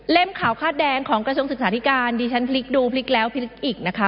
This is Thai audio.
ขาวคาดแดงของกระทรวงศึกษาธิการดิฉันพลิกดูพลิกแล้วพลิกอีกนะคะ